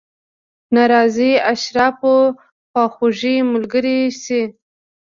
ناراضي اشرافو خواخوږي ملګرې شي.